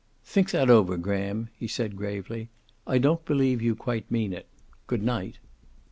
"Think that over, Graham," he said gravely. "I don't believe you quite mean it. Good night."